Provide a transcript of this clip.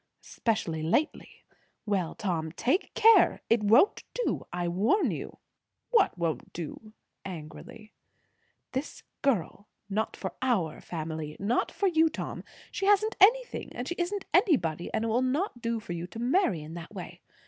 "Especially lately. Well, Tom, take care! it won't do. I warn you." "What won't do?" angrily. "This girl; not for our family. Not for you, Tom. She hasn't anything, and she isn't anybody; and it will not do for you to marry in that way.